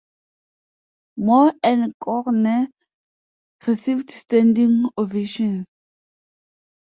Moore and Kohner received standing ovations.